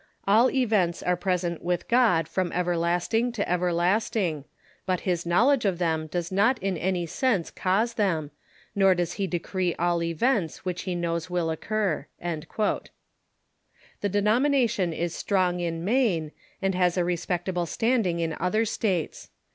All events are present with God from everlasting to everlasting ; but his knowledge of them does not in any sense cause them, nor does he decree all events which he knows will occur." The denomination is strong in Maine, and has a respectable stand ing in other states.